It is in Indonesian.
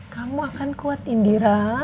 kamu akan kuat indira